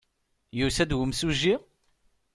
Yusa-d umsujji?